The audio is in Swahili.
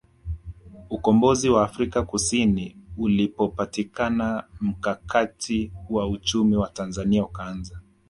Ukombozi wa Afrika Kusini ulipopatikana mkakati wa uchumi wa Tanzania ukaanza